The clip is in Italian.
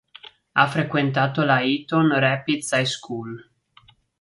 Ha frequentando la Eaton Rapids High School.